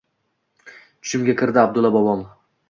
Tushimga kiradi Abdullo bobom.